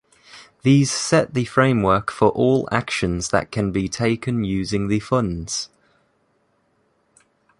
These set the framework for all actions that can be taken using the funds.